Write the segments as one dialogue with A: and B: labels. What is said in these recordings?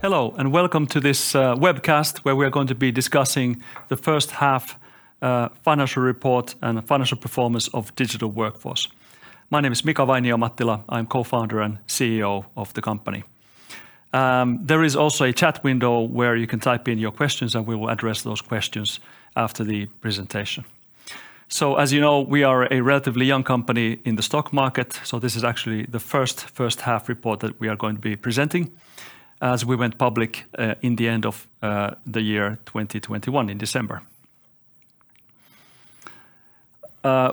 A: Hello, welcome to this webcast where we are going to be discussing the first half financial report and the financial performance of Digital Workforce. My name is Mika Vainio-Mattila. I'm co-founder and CEO of the company. There is also a chat window where you can type in your questions, and we will address those questions after the presentation. As you know, we are a relatively young company in the stock market, so this is actually the first half report that we are going to be presenting as we went public in the end of the year 2021 in December.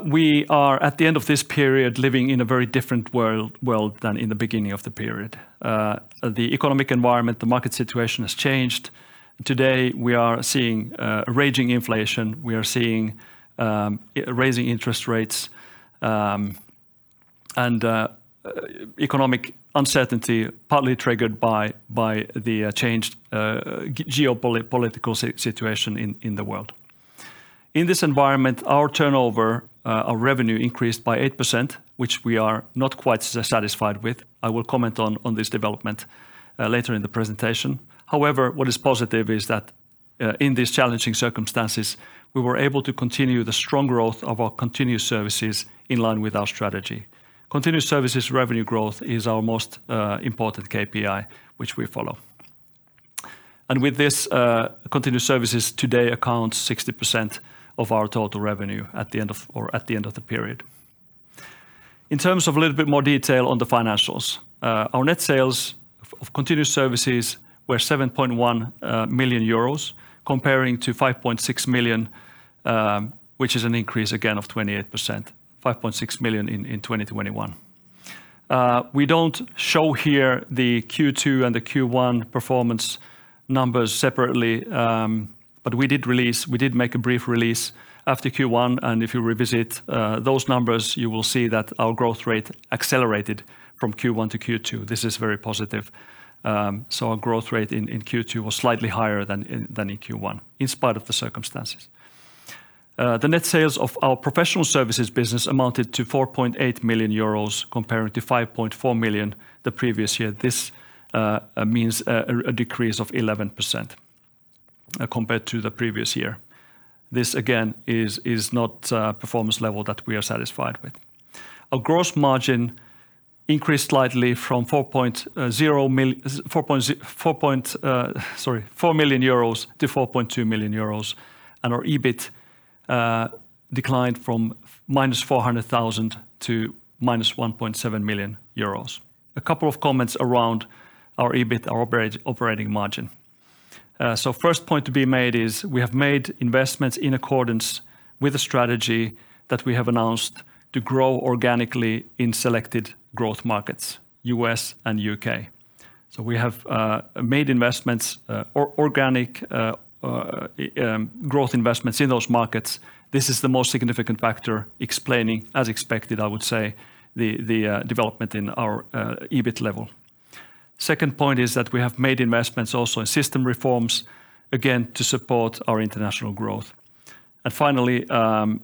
A: We are at the end of this period living in a very different world than in the beginning of the period. The economic environment, the market situation has changed. Today, we are seeing raging inflation. We are seeing raising interest rates and economic uncertainty partly triggered by the changed geopolitical situation in the world. In this environment, our turnover, our revenue increased by 8%, which we are not quite satisfied with. I will comment on this development later in the presentation. However, what is positive is that in these challenging circumstances, we were able to continue the strong growth of our Continuous Services in line with our strategy. Continuous Services revenue growth is our most important KPI, which we follow. With this, Continuous Services today accounts 60% of our total revenue at the end of the period. In terms of a little bit more detail on the financials, our net sales of Continuous Services were 7.1 million euros compared to 5.6 million, which is an increase again of 28%, 5.6 million in 2021. We don't show here the Q2 and the Q1 performance numbers separately, but we did make a brief release after Q1, and if you revisit those numbers, you will see that our growth rate accelerated from Q1 to Q2. This is very positive. Our growth rate in Q2 was slightly higher than in Q1 in spite of the circumstances. The net sales of our Professional Services business amounted to 4.8 million euros compared to 5.4 million the previous year. This means a decrease of 11% compared to the previous year. This again is not a performance level that we are satisfied with. Our gross margin increased slightly from 4.0 million euros to 4.2 million euros, and our EBIT declined from -400,000 to -1.7 million euros. A couple of comments around our EBIT, our operating margin. First point to be made is we have made investments in accordance with the strategy that we have announced to grow organically in selected growth markets, U.S. and U.K. We have made organic growth investments in those markets. This is the most significant factor explaining, as expected, I would say, the development in our EBIT level. Second point is that we have made investments also in system reforms, again to support our international growth. Finally,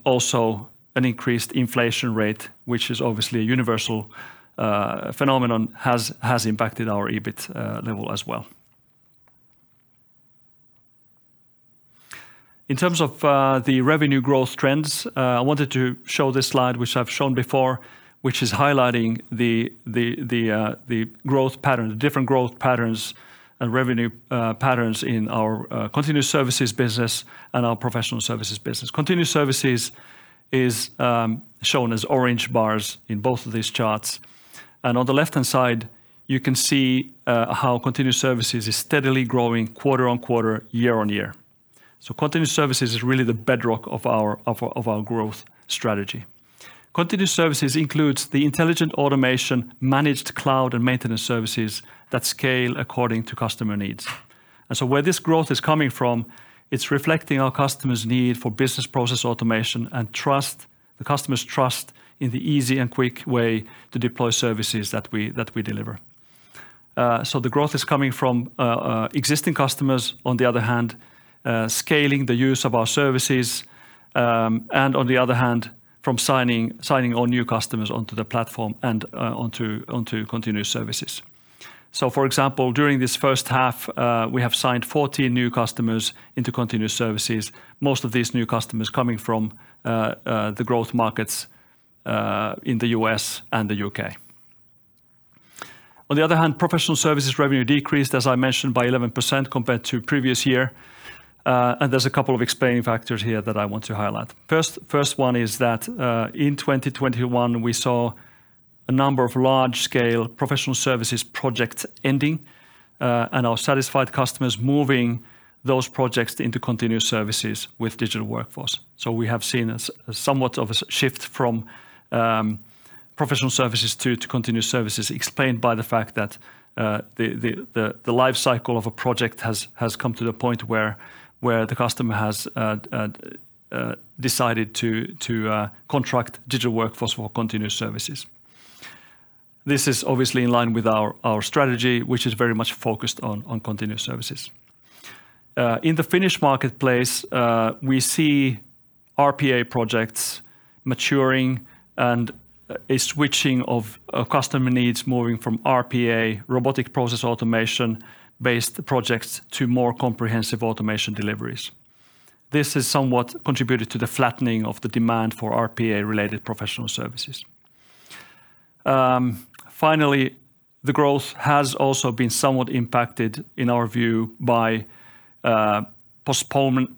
A: also an increased inflation rate, which is obviously a universal phenomenon, has impacted our EBIT level as well. In terms of the revenue growth trends, I wanted to show this slide, which I've shown before, which is highlighting the growth pattern, the different growth patterns and revenue patterns in our Continuous Services business and our Professional Services business. Continuous Services is shown as orange bars in both of these charts. On the left-hand side, you can see how Continuous Services is steadily growing quarter on quarter, year on year. Continuous Services is really the bedrock of our growth strategy. Continuous Services includes the intelligent automation, managed cloud, and maintenance services that scale according to customer needs. Where this growth is coming from, it's reflecting our customers' need for business process automation and trust, the customer's trust in the easy and quick way to deploy services that we deliver. The growth is coming from existing customers, on the other hand, scaling the use of our services, and on the other hand from signing on new customers onto the platform and onto Continuous Services. For example, during this first half, we have signed 14 new customers into Continuous Services, most of these new customers coming from the growth markets in the U.S. and the U.K. On the other hand, Professional Services revenue decreased, as I mentioned, by 11% compared to previous year, and there's a couple of explaining factors here that I want to highlight. First one is that, in 2021 we saw a number of large-scale Professional Services projects ending, and our satisfied customers moving those projects into Continuous Services with Digital Workforce. We have seen somewhat of a shift from Professional Services to Continuous Services explained by the fact that, the life cycle of a project has come to the point where the customer has decided to contract Digital Workforce for Continuous Services. This is obviously in line with our strategy, which is very much focused on Continuous Services. In the Finnish marketplace, we see RPA projects maturing and a switching of customer needs moving from RPA, robotic process automation-based projects to more comprehensive automation deliveries. This has somewhat contributed to the flattening of the demand for RPA-related Professional Services. Finally, the growth has also been somewhat impacted, in our view, by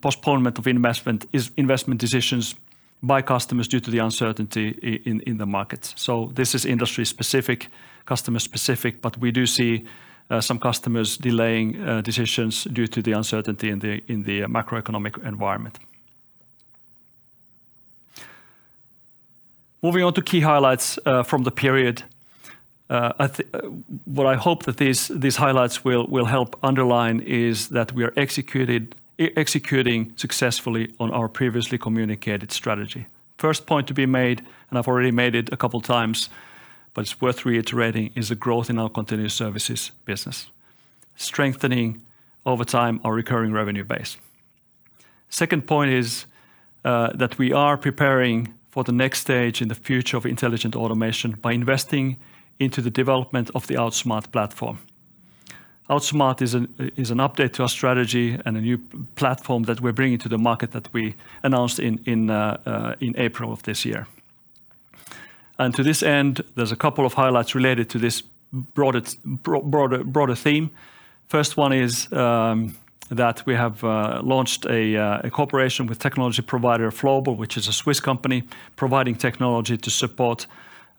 A: postponement of investment decisions by customers due to the uncertainty in the markets. This is industry-specific, customer-specific, but we do see some customers delaying decisions due to the uncertainty in the macroeconomic environment. Moving on to key highlights from the period. What I hope that these highlights will help underline is that we are executing successfully on our previously communicated strategy. First point to be made, and I've already made it a couple times, but it's worth reiterating, is the growth in our Continuous Services business. Strengthening over time our recurring revenue base. Second point is that we are preparing for the next stage in the future of intelligent automation by investing into the development of the Outsmart platform. Outsmart is an update to our strategy and a new platform that we're bringing to the market that we announced in April of this year. To this end, there's a couple of highlights related to this broader theme. First one is that we have launched a cooperation with technology provider Flowable, which is a Swiss company providing technology to support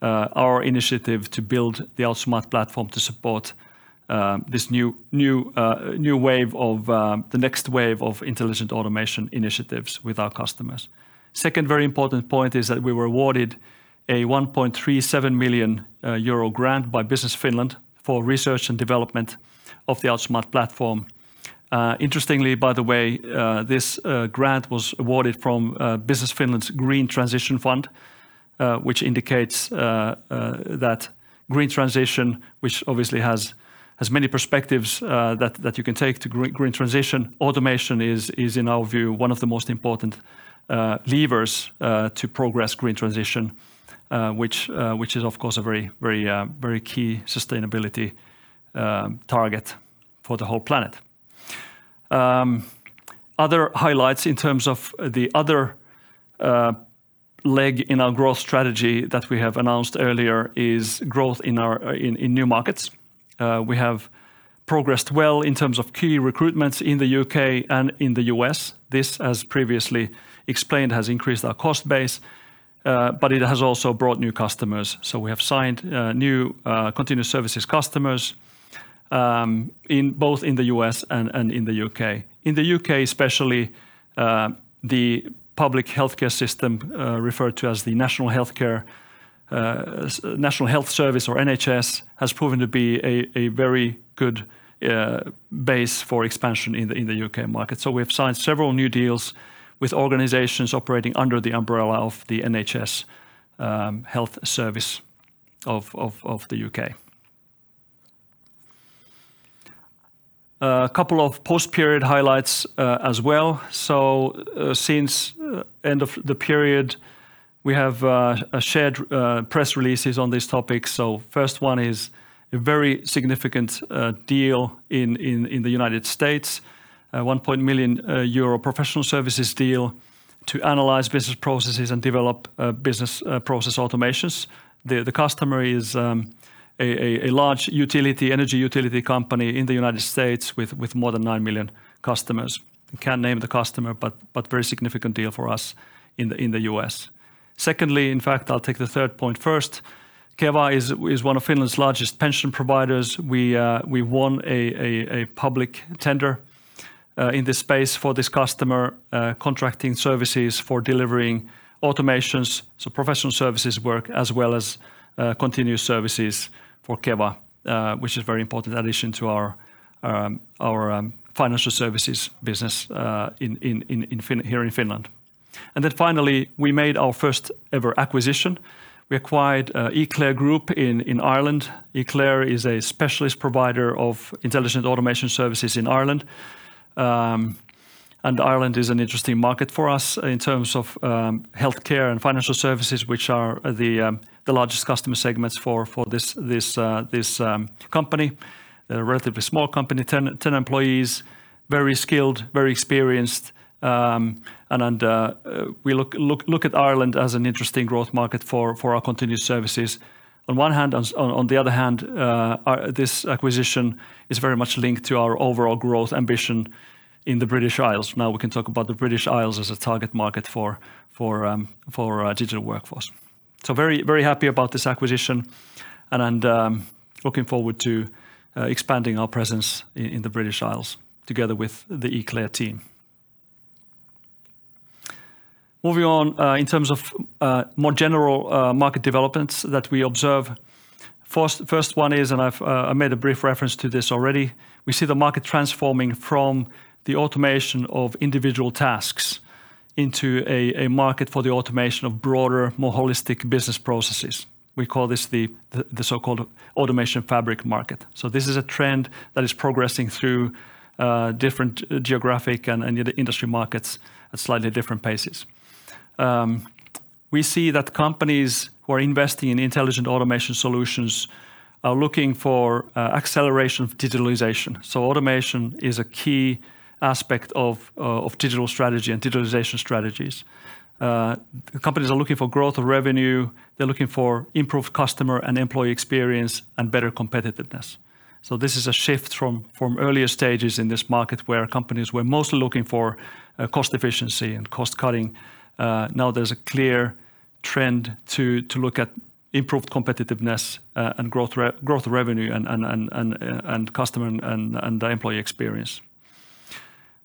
A: our initiative to build the Outsmart platform to support this new wave of the next wave of intelligent automation initiatives with our customers. Second very important point is that we were awarded a 1.37 million euro grant by Business Finland for research and development of the Outsmart platform. Interestingly, by the way, this grant was awarded from Business Finland's Green Transition Fund, which indicates that green transition, which obviously has many perspectives that you can take to green transition. Automation is in our view one of the most important levers to progress green transition, which is of course a very key sustainability target for the whole planet. Other highlights in terms of the other leg in our growth strategy that we have announced earlier is growth in our new markets. We have progressed well in terms of key recruitments in the U.K. and in the U.S. This, as previously explained, has increased our cost base, but it has also brought new customers. We have signed new Continuous Services customers in both the U.S. and in the U.K. In the U.K. especially, the public healthcare system, referred to as the National Health Service or NHS, has proven to be a very good base for expansion in the U.K. market. We have signed several new deals with organizations operating under the umbrella of the NHS, health service of the U.K. A couple of post-period highlights, as well. Since end of the period, we have shared press releases on this topic. First one is a very significant deal in the United States, 1 million euro Professional Services deal to analyze business processes and develop business process automations. The customer is a large energy utility company in the United States with more than 9 million customers. Can't name the customer, but very significant deal for us in the U.S. Secondly, in fact I'll take the third point first. Keva is one of Finland's largest pension providers. We won a public tender in this space for this customer, contracting services for delivering automations, so Professional Services work, as well as Continuous Services for Keva, which is very important addition to our financial services business, in here in Finland. Finally, we made our first ever acquisition. We acquired ECLAIR Group in Ireland. Eclair is a specialist provider of intelligent automation services in Ireland. Ireland is an interesting market for us in terms of healthcare and financial services, which are the largest customer segments for this company. A relatively small company, 10 employees. Very skilled, very experienced. We look at Ireland as an interesting growth market for our Continuous Services on one hand. On the other hand, this acquisition is very much linked to our overall growth ambition in the British Isles. Now we can talk about the British Isles as a target market for our Digital Workforce. Very happy about this acquisition and looking forward to expanding our presence in the British Isles together with the Eclair team. Moving on, in terms of more general market developments that we observe. First one is, and I've I made a brief reference to this already, we see the market transforming from the automation of individual tasks into a market for the automation of broader, more holistic business processes. We call this the so-called automation fabric market. This is a trend that is progressing through different geographic and industry markets at slightly different paces. We see that companies who are investing in intelligent automation solutions are looking for acceleration of digitalization. Automation is a key aspect of digital strategy and digitalization strategies. Companies are looking for growth of revenue, they're looking for improved customer and employee experience, and better competitiveness. This is a shift from earlier stages in this market where companies were mostly looking for cost efficiency and cost-cutting. Now there's a clear trend to look at improved competitiveness, and growth, revenue growth, and customer and employee experience.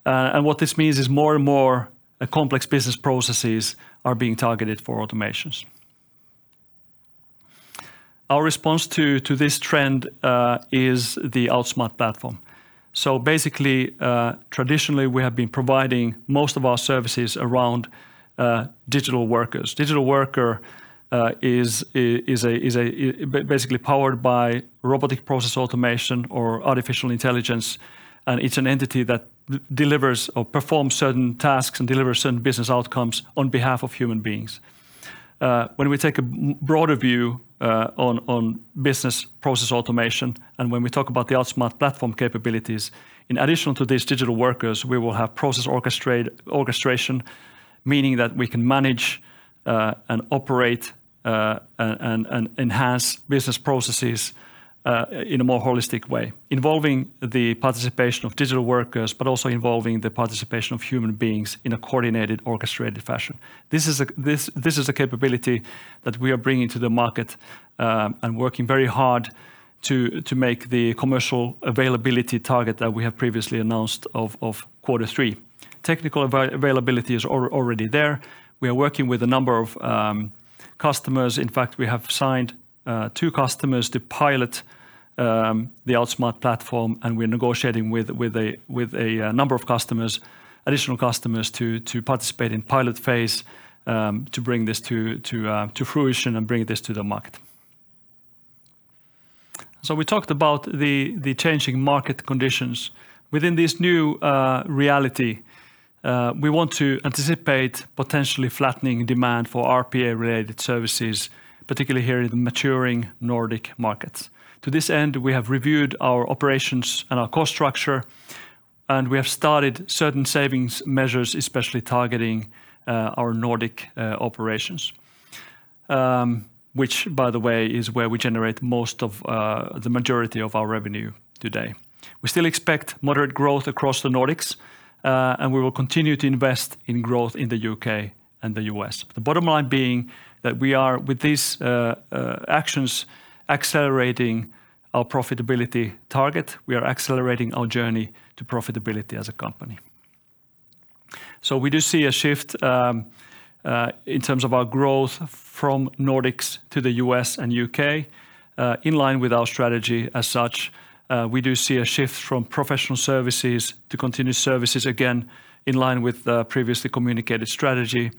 A: What this means is more and more complex business processes are being targeted for automations. Our response to this trend is the Outsmart platform. Basically, traditionally, we have been providing most of our services around digital workers. A digital worker is basically powered by robotic process automation or artificial intelligence, and it's an entity that delivers or performs certain tasks and delivers certain business outcomes on behalf of human beings. When we take a broader view on business process automation and when we talk about the Outsmart platform capabilities, in addition to these digital workers, we will have process orchestration, meaning that we can manage and operate and enhance business processes in a more holistic way, involving the participation of digital workers but also involving the participation of human beings in a coordinated orchestrated fashion. This is a capability that we are bringing to the market and working very hard to make the commercial availability target that we have previously announced of quarter three. Technical availability is already there. We are working with a number of customers. In fact, we have signed two customers to pilot the Outsmart platform, and we're negotiating with a number of additional customers to participate in pilot phase, to bring this to fruition and bring this to the market. We talked about the changing market conditions. Within this new reality, we want to anticipate potentially flattening demand for RPA-related services, particularly here in the maturing Nordic markets. To this end, we have reviewed our operations and our cost structure, and we have started certain savings measures, especially targeting our Nordic operations, which by the way, is where we generate most of the majority of our revenue today. We still expect moderate growth across the Nordics, and we will continue to invest in growth in the U.K. and the U.S. The bottom line being that we are with these actions accelerating our profitability target. We are accelerating our journey to profitability as a company. We do see a shift in terms of our growth from Nordics to the U.S. and U.K. in line with our strategy. As such, we do see a shift from Professional Services to Continuous Services, again, in line with the previously communicated strategy.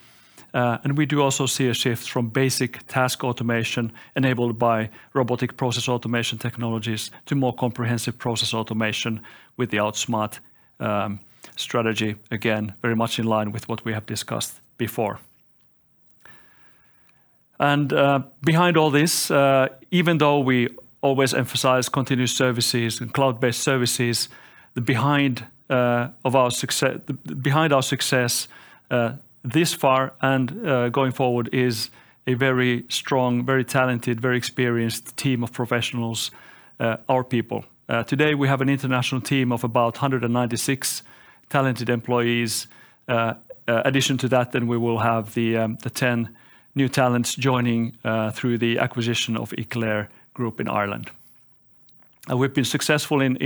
A: We do also see a shift from basic task automation enabled by robotic process automation technologies to more comprehensive process automation with the Outsmart strategy, again, very much in line with what we have discussed before. Behind all this, even though we always emphasize Continuous Services and cloud-based services, behind our success this far and going forward is a very strong, very talented, very experienced team of professionals, our people. Today, we have an international team of about 196 talented employees. In addition to that, then we will have the 10 new talents joining through the acquisition of The ECLAIR Group in Ireland. We've been successful in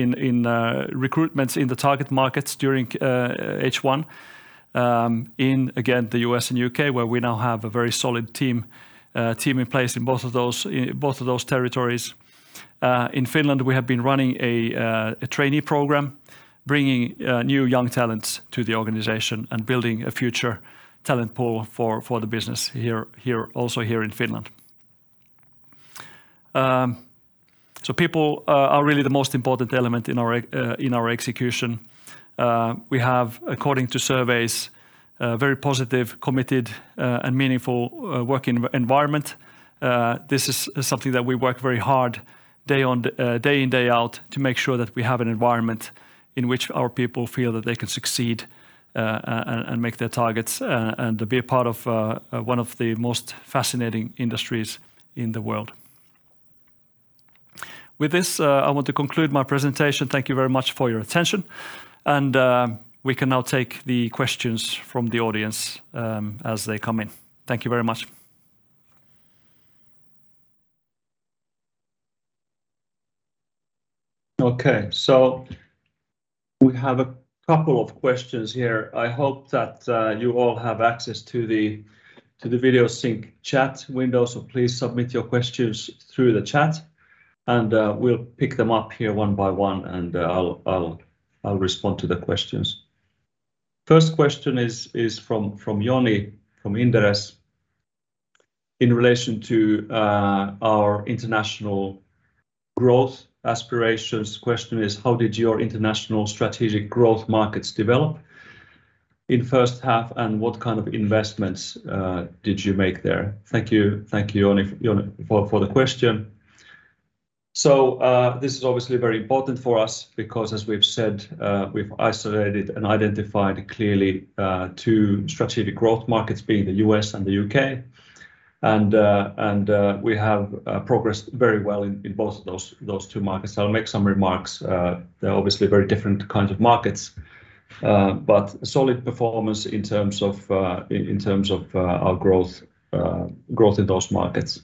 A: recruitments in the target markets during H1, in again, the U.S. and U.K., where we now have a very solid team in place in both of those territories. In Finland, we have been running a trainee program, bringing new young talents to the organization and building a future talent pool for the business here in Finland. People are really the most important element in our execution. We have, according to surveys, a very positive, committed, and meaningful work environment. This is something that we work very hard day in, day out to make sure that we have an environment in which our people feel that they can succeed and make their targets and be a part of one of the most fascinating industries in the world. With this, I want to conclude my presentation. Thank you very much for your attention. We can now take the questions from the audience, as they come in. Thank you very much. Okay. We have a couple of questions here. I hope that you all have access to the video sync chat window. Please submit your questions through the chat and we'll pick them up here one by one, and I'll respond to the questions. First question is from Joni Grönqvist from Inderes. In relation to our international growth aspirations, question is how did your international strategic growth markets develop in first half and what kind of investments did you make there? Thank you. Thank you, Joni, for the question. This is obviously very important for us because as we've said, we've isolated and identified clearly two strategic growth markets being the U.S. and the U.K., and we have progressed very well in both of those two markets. I'll make some remarks. They're obviously very different kinds of markets, but solid performance in terms of our growth in those markets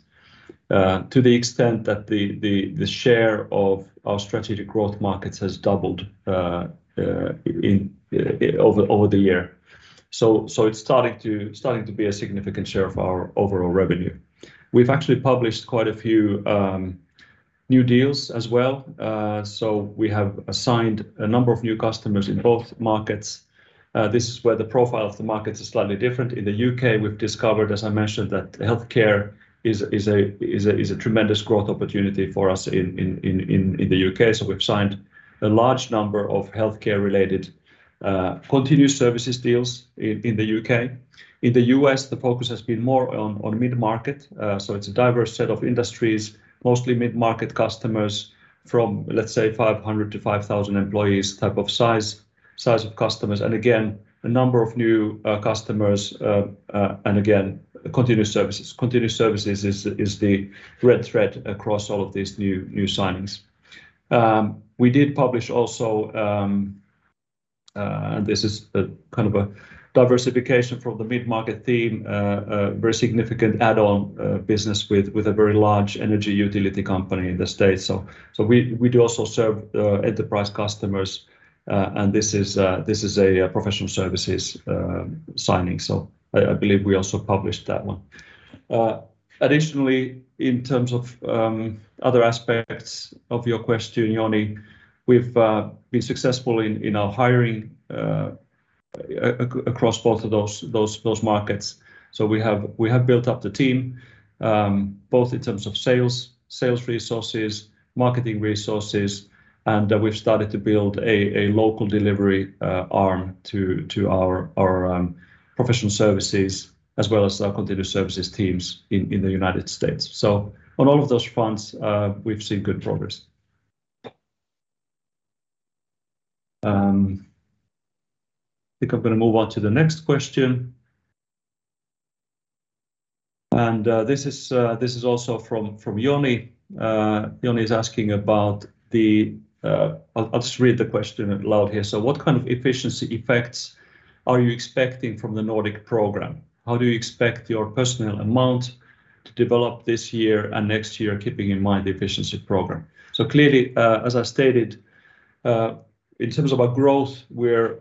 A: to the extent that the share of our strategic growth markets has doubled over the year. It's starting to be a significant share of our overall revenue. We've actually published quite a few new deals as well. We have assigned a number of new customers in both markets. This is where the profile of the markets are slightly different. In the U.K., we've discovered, as I mentioned, that healthcare is a tremendous growth opportunity for us in the U.K. We've signed a large number of healthcare related Continuous Services deals in the UK. In the US, the focus has been more on mid-market. It's a diverse set of industries. Mostly mid-market customers from, let's say, 500 to 5,000 employees type of size of customers. A number of new customers and Continuous Services. Continuous Services is the thread across all of these new signings. We did publish also this is a kind of a diversification from the mid-market theme very significant add-on business with a very large energy utility company in the States. We do also serve enterprise customers and this is a Professional Services signing. I believe we also published that one. Additionally, in terms of other aspects of your question, Joni, we've been successful in our hiring across both of those markets. We have built up the team both in terms of sales resources, marketing resources, and we've started to build a local delivery arm to our Professional Services as well as our Continuous Services teams in the United States. On all of those fronts, we've seen good progress. I think I'm gonna move on to the next question. This is also from Joni. Joni is asking. I'll just read the question out loud here. What kind of efficiency effects are you expecting from the Nordic program? How do you expect your personnel amount to develop this year and next year, keeping in mind the efficiency program? Clearly, as I stated, in terms of our growth, we're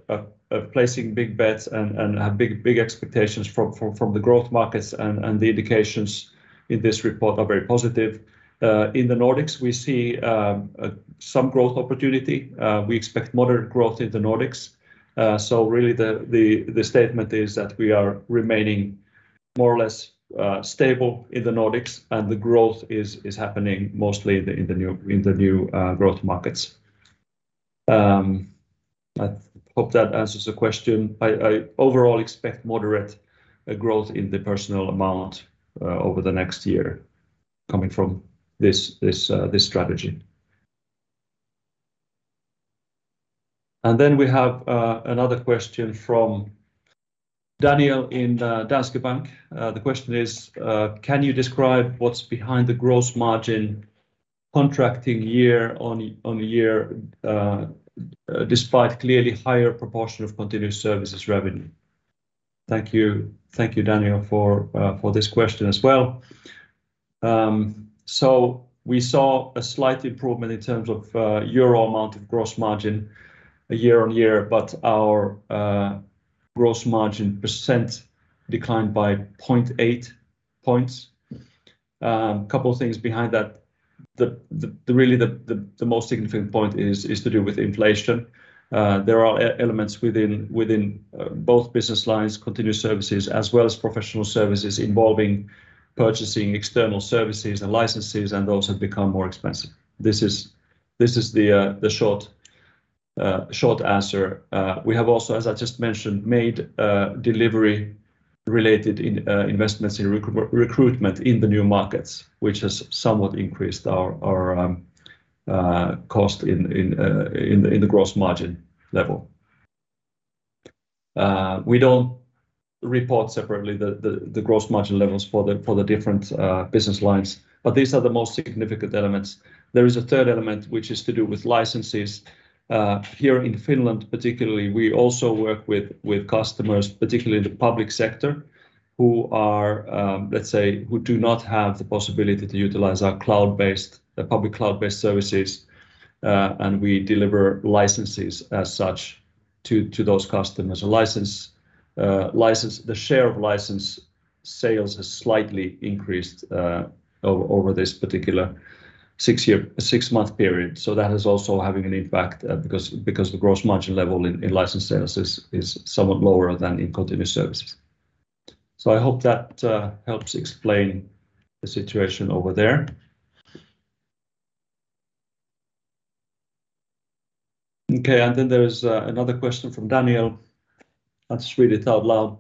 A: placing big bets and have big expectations from the growth markets and the indications in this report are very positive. In the Nordics we see some growth opportunity. We expect moderate growth in the Nordics. Really the statement is that we are remaining more or less stable in the Nordics and the growth is happening mostly in the new growth markets. I hope that answers the question. I overall expect moderate growth in the personnel amount over the next year coming from this strategy. We have another question from Daniel in Danske Bank. The question is, can you describe what's behind the gross margin contracting year-over-year, despite clearly higher proportion of Continuous Services revenue? Thank you. Thank you, Daniel, for this question as well. We saw a slight improvement in terms of euro amount of gross margin year-over-year, but our gross margin % declined by 0.8 points. A couple of things behind that. The most significant point is to do with inflation. There are elements within both business lines, Continuous Services as well as Professional Services, involving purchasing external services and licenses, and those have become more expensive. This is the short answer. We have also, as I just mentioned, made delivery related investments in recruitment in the new markets, which has somewhat increased our cost in the gross margin level. We don't report separately the gross margin levels for the different business lines, but these are the most significant elements. There is a third element which is to do with licenses. Here in Finland particularly, we also work with customers, particularly in the public sector, who are, let's say, who do not have the possibility to utilize our cloud-based public cloud-based services. We deliver licenses as such to those customers. The share of license sales has slightly increased over this particular six-month period. That is also having an impact, because the gross margin level in license sales is somewhat lower than in Continuous Services. I hope that helps explain the situation over there. There's another question from Daniel. I'll just read it out loud.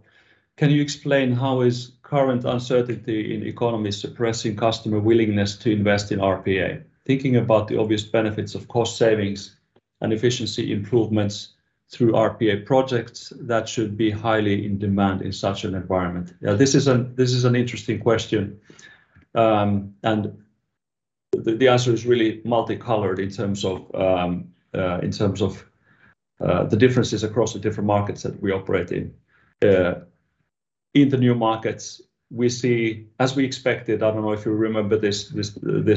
A: Can you explain how is current uncertainty in economy suppressing customer willingness to invest in RPA? Thinking about the obvious benefits of cost savings and efficiency improvements through RPA projects that should be highly in demand in such an environment. Yeah, this is an interesting question. The answer is really multicolored in terms of the differences across the different markets that we operate in. In the new markets we see as we expected, I don't know if you remember this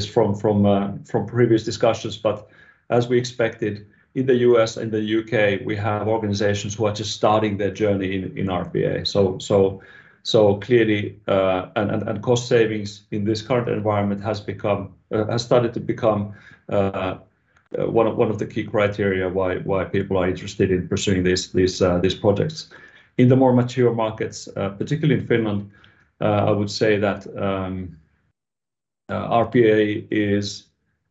A: from previous discussions, but as we expected in the U.S. and the U.K., we have organizations who are just starting their journey in RPA. Clearly, cost savings in this current environment has started to become one of the key criteria why people are interested in pursuing these projects. In the more mature markets, particularly in Finland, I would say that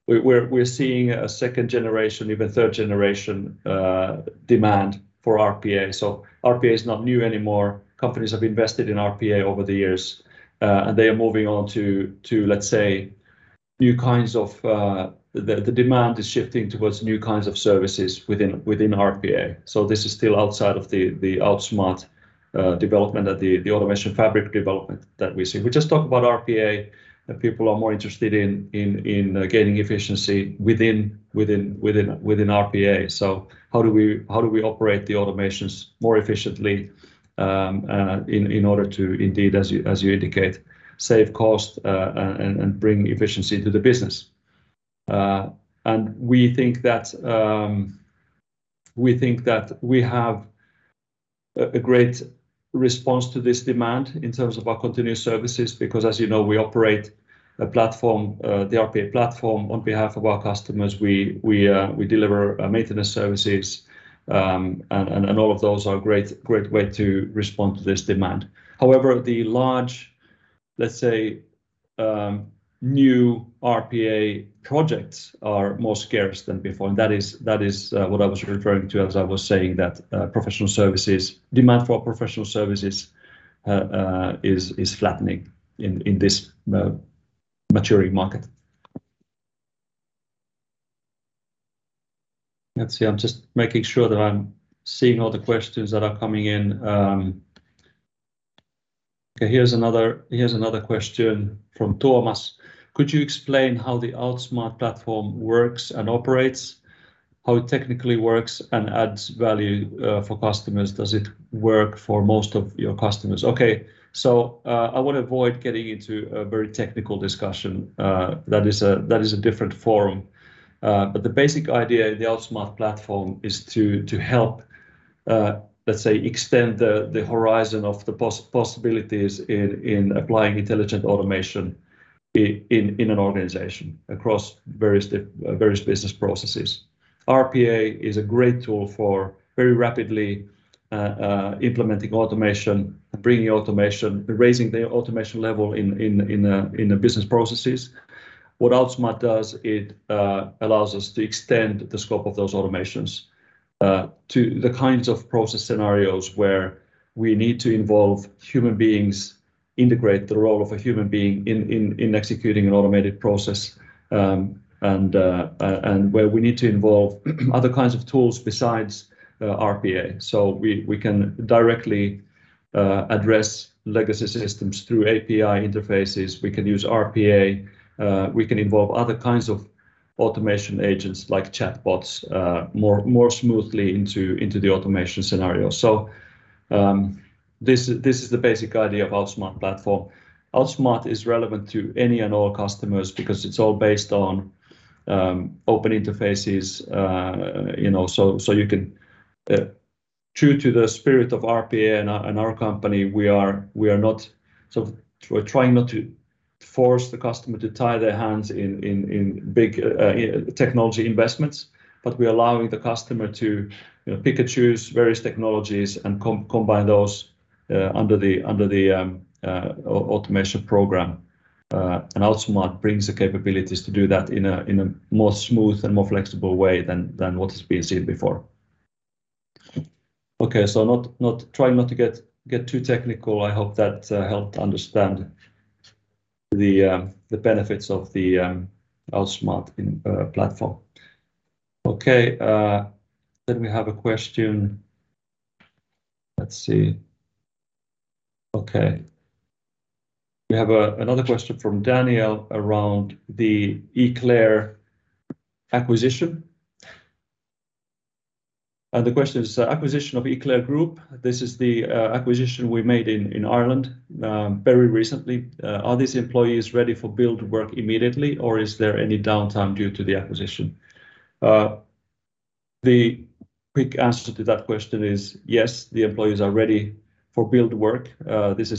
A: we're seeing a second generation, even third generation, demand for RPA. RPA is not new anymore. Companies have invested in RPA over the years, and they are moving on to let's say new kinds of the demand is shifting towards new kinds of services within RPA. This is still outside of the Outsmart development that the automation fabric development that we see. We just talk about RPA and people are more interested in gaining efficiency within RPA. How do we operate the automations more efficiently, in order to indeed, as you indicate, save cost, and bring efficiency to the business. We think that we have a great response to this demand in terms of our Continuous Services, because as you know, we operate a platform, the RPA platform on behalf of our customers. We deliver maintenance services. All of those are a great way to respond to this demand. However, the large, let's say, new RPA projects are more scarce than before, and that is what I was referring to as I was saying that demand for Professional Services is flattening in this maturing market. Let's see. I'm just making sure that I'm seeing all the questions that are coming in. Here's another question from Thomas. Could you explain how the Outsmart platform works and operates? How it technically works and adds value for customers? Does it work for most of your customers? Okay. I wanna avoid getting into a very technical discussion that is a different forum. The basic idea of the Outsmart platform is to help, let's say, extend the horizon of the possibilities in applying intelligent automation in an organization across various business processes. RPA is a great tool for very rapidly implementing automation, bringing automation, raising the automation level in the business processes. What Outsmart does allows us to extend the scope of those automations to the kinds of process scenarios where we need to involve human beings, integrate the role of a human being in executing an automated process, and where we need to involve other kinds of tools besides RPA. We can directly address legacy systems through API interfaces. We can use RPA. We can involve other kinds of automation agents like chatbots more smoothly into the automation scenario. This is the basic idea of Outsmart platform. Outsmart is relevant to any and all customers because it's all based on open interfaces. You know, so you can... True to the spirit of RPA and our company, we're trying not to force the customer to tie their hands in big technology investments, but we're allowing the customer to, you know, pick and choose various technologies and combine those under the automation program. Outsmart brings the capabilities to do that in a more smooth and more flexible way than what has been seen before. Okay. Trying not to get too technical. I hope that helped understand the benefits of the Outsmart platform. Okay. We have another question from Daniel around the Eclair acquisition. The question is, acquisition of ECLAIR Group, this is the acquisition we made in Ireland very recently. Are these employees ready for billable work immediately, or is there any downtime due to the acquisition? The quick answer to that question is yes, the employees are ready for billable work. This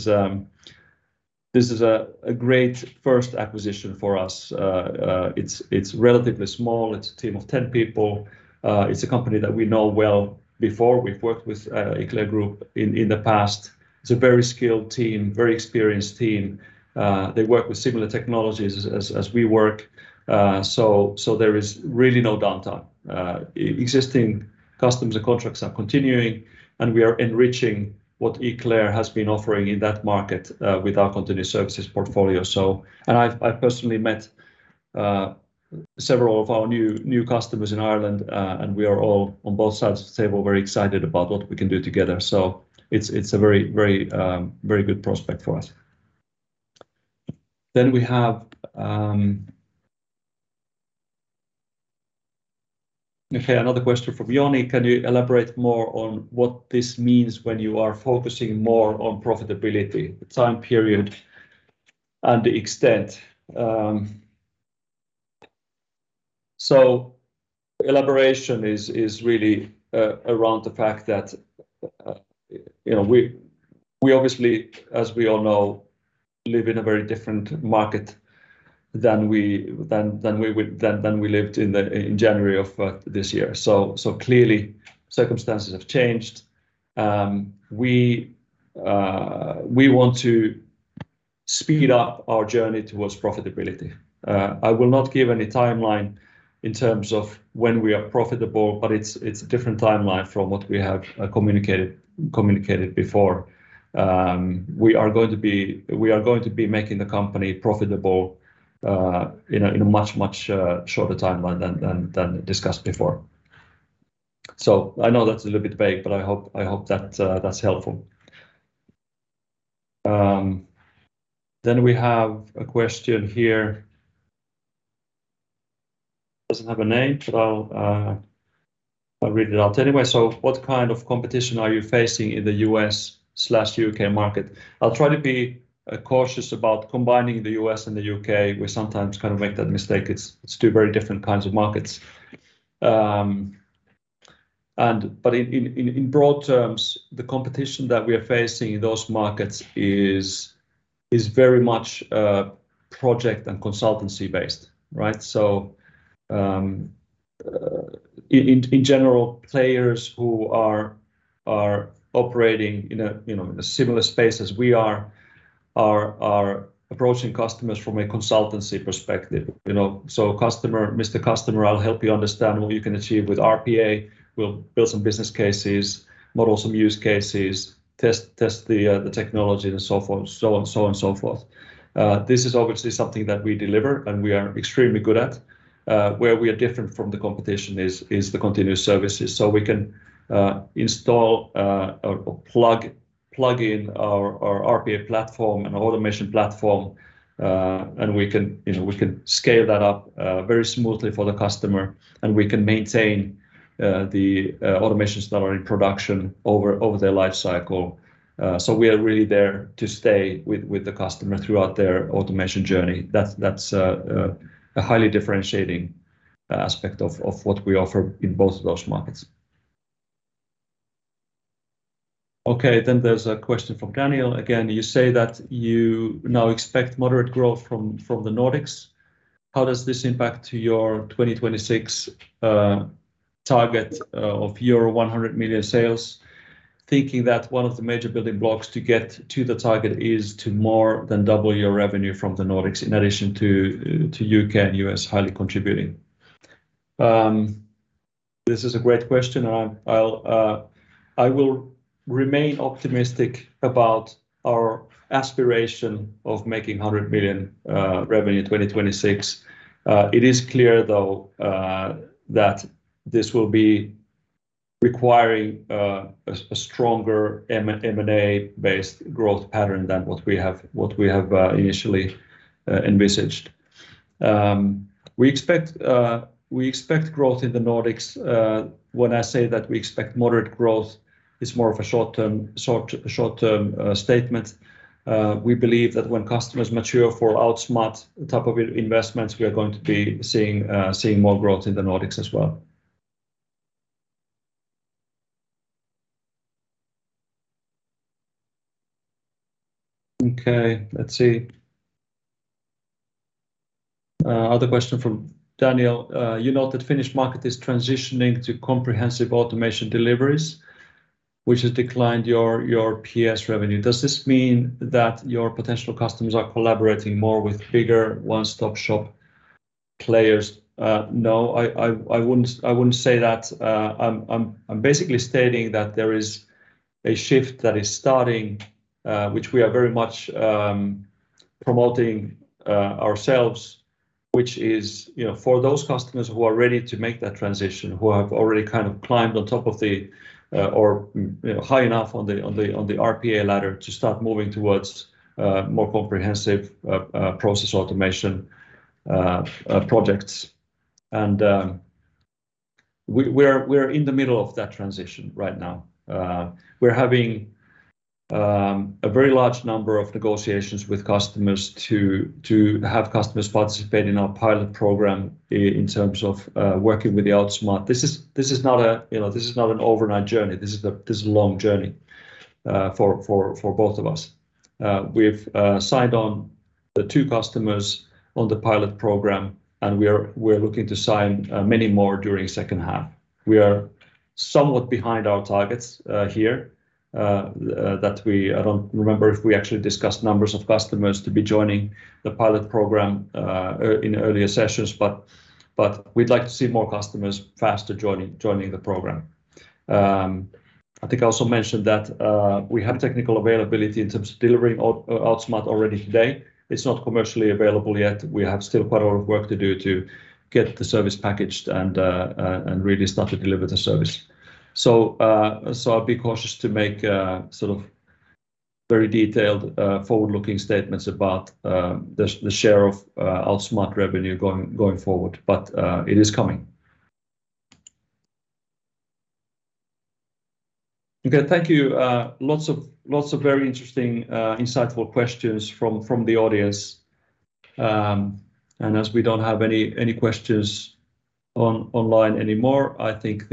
A: is a great first acquisition for us. It's relatively small. It's a team of 10 people. It's a company that we know well before. We've worked with ECLAIR Group in the past. It's a very skilled team, very experienced team. They work with similar technologies as we work. There is really no downtime. Existing customers and contracts are continuing, and we are enriching what Eclair has been offering in that market with our Continuous Services portfolio. I personally met several of our new customers in Ireland, and we are all on both sides of the table very excited about what we can do together. It's a very good prospect for us. Okay, another question from Joni Grönqvist. Can you elaborate more on what this means when you are focusing more on profitability, the time period, and the extent? Elaboration is really around the fact that, you know, we obviously, as we all know, live in a very different market than we lived in January of this year. Clearly circumstances have changed. We want to speed up our journey towards profitability. I will not give any timeline in terms of when we are profitable, but it's a different timeline from what we have communicated before. We are going to be making the company profitable in a much shorter timeline than discussed before. I know that's a little bit vague, but I hope that that's helpful. We have a question here. Doesn't have a name, but I'll read it out anyway. What kind of competition are you facing in the U.S./U.K. market? I'll try to be cautious about combining the U.S. and the U.K. We sometimes kind of make that mistake. It's two very different kinds of markets. In broad terms, the competition that we are facing in those markets is very much project and consultancy based, right? In general, players who are operating in a you know in a similar space as we are are approaching customers from a consultancy perspective. You know, customer, Mr. Customer, I'll help you understand what you can achieve with RPA. We'll build some business cases, model some use cases, test the technology and so forth. This is obviously something that we deliver and we are extremely good at. Where we are different from the competition is the Continuous Services. We can install or plug in our RPA platform and automation platform. We can, you know, we can scale that up very smoothly for the customer, and we can maintain the automations that are in production over their life cycle. We are really there to stay with the customer throughout their automation journey. That's a highly differentiating aspect of what we offer in both of those markets. Okay, then there's a question from Daniel. Again, you say that you now expect moderate growth from the Nordics. How does this impact to your 2026 target of 100 million sales? Thinking that one of the major building blocks to get to the target is to more than double your revenue from the Nordics in addition to UK and US highly contributing. This is a great question. I will remain optimistic about our aspiration of making 100 million revenue in 2026. It is clear that this will be requiring a stronger M&A-based growth pattern than what we have initially envisaged. We expect growth in the Nordics. When I say that we expect moderate growth, it's more of a short-term statement. We believe that when customers mature for Outsmart type of investments, we are going to be seeing more growth in the Nordics as well. Okay, let's see. Other question from Daniel. You note that Finnish market is transitioning to comprehensive automation deliveries, which has declined your PS revenue. Does this mean that your potential customers are collaborating more with bigger one-stop shop players? No. I wouldn't say that. I'm basically stating that there is a shift that is starting, which we are very much promoting ourselves, which is, you know, for those customers who are ready to make that transition, who have already kind of climbed high enough on the RPA ladder to start moving towards more comprehensive process automation projects. We're in the middle of that transition right now. We're having a very large number of negotiations with customers to have customers participate in our pilot program, in terms of working with the Outsmart. This is not an overnight journey, you know. This is a long journey for both of us. We've signed on the two customers on the pilot program, and we're looking to sign many more during second half. We are somewhat behind our targets here that we I don't remember if we actually discussed numbers of customers to be joining the pilot program in earlier sessions, but we'd like to see more customers faster joining the program. I think I also mentioned that we have technical availability in terms of delivering Outsmart already today. It's not commercially available yet. We have still quite a lot of work to do to get the service packaged and really start to deliver the service. I'd be cautious to make sort of very detailed forward-looking statements about the share of Outsmart revenue going forward. It is coming. Okay. Thank you. Lots of very interesting insightful questions from the audience. As we don't have any questions online anymore, I think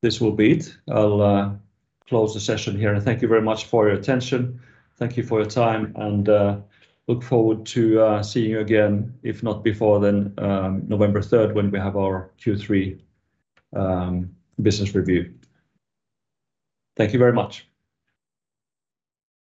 A: this will be it. I'll close the session here, and thank you very much for your attention. Thank you for your time, and look forward to seeing you again, if not before then, November third when we have our Q3 business review. Thank you very much.